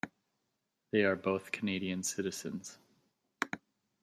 They are both Canadian citizens.